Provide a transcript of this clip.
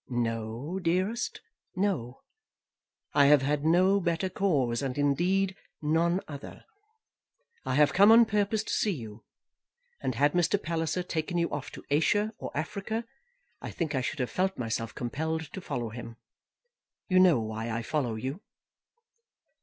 "No, dearest; no. I have had no better cause, and, indeed, none other. I have come on purpose to see you; and had Mr. Palliser taken you off to Asia or Africa, I think I should have felt myself compelled to follow him. You know why I follow you?"